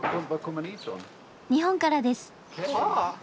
日本からです。